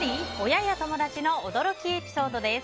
親や友達の驚きエピソードです。